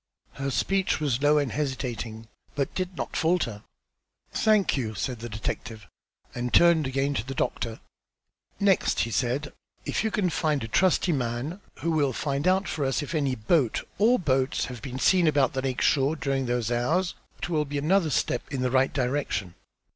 Her speech was low and hesitating, but it did not falter. "Thank you," said the detective, and turned again to the doctor. "Next," said he, "if you can find a trusty man, who will find out for us if any boat or boats have been seen about the lake shore during those hours, it will be another step in the right direction.